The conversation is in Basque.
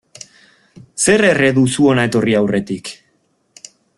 Zer erre duzu hona etorri aurretik.